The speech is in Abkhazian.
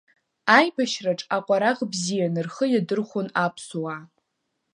Аибашьраҿ аҟәараӷ бзиан рхы иадырхәон аԥсуаа.